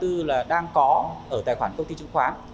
thứ là đang có ở tài khoản công ty chứng khoán